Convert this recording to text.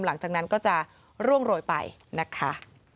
หลังจากนั้นก็จะร่วงโรยไปนะคะ